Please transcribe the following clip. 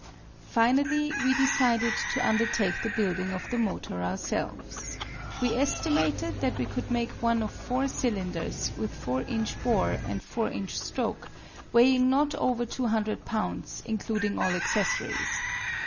Finally we decided to undertake the building of the motor ourselves. We estimated that we could make one of four cylinders with 4 inch bore and 4 inch stroke, weighing not over two hundred pounds, including all accessories.